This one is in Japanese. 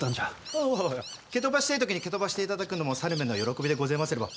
おお蹴飛ばしてぇ時に蹴飛ばしていただくのも猿めの喜びでごぜますれば。